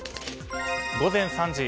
午前３時。